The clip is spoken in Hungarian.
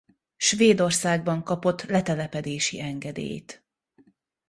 Svédországban kapott letelepedési engedélyt.